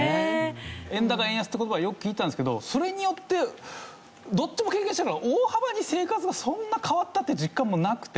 円高円安って言葉をよく聞いてたんですけどそれによってどっちも経験したから大幅に生活がそんな変わったっていう実感もなくて。